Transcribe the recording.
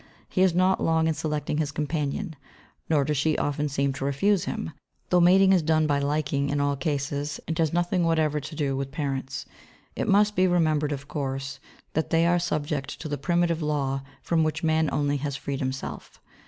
He is not long in selecting his companion; nor does she often seem to refuse him, though mating is done by liking in all cases and has nothing whatever to do with the parents. It must be remembered, of course, that they are subject to the primitive law from which man only has freed himself.